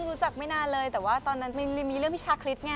รู้จักไม่นานเลยแต่ว่าตอนนั้นมีเรื่องพิชาคริสต์ไง